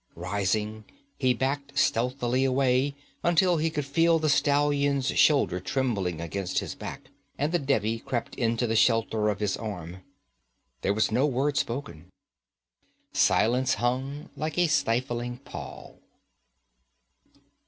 Rising, he backed stealthily away, until he could feel the stallion's shoulder trembling against his back, and the Devi crept into the shelter of his arm. There was no word spoken. Silence hung like a stifling pall.